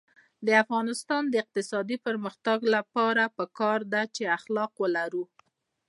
د افغانستان د اقتصادي پرمختګ لپاره پکار ده چې اخلاق ولرو.